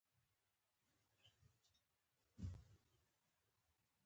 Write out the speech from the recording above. یوه جمله را توله سوي.